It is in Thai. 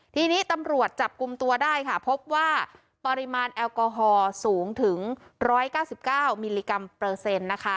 ทีนี้ตำรวจจับกลุ่มตัวได้ค่ะพบว่าปริมาณแอลกอฮอล์สูงถึง๑๙๙มิลลิกรัมเปอร์เซ็นต์นะคะ